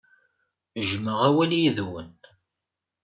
Jjmeɣ awal yid-wen.